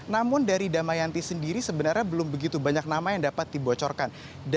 namun dari damayanti sendiri sebenarnya belum begitu banyak nama yang dapat dibocorkan